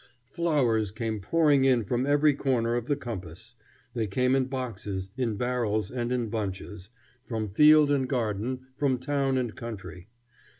Flowers came pouring in from every corner of the compass. They came in boxes, in barrels, and in bunches, from field and garden, from town and country.